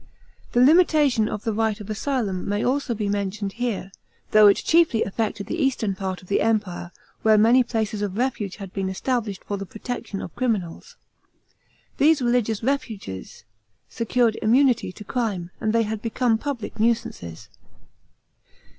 The limitation of the right of asylum may also be mentioned here, though it chiefly affected the eastern part rf the Empire, where many places of refuge had been established for the protection of criminals. These religious ref iges secured immunity to crime, and they had become public nuisances.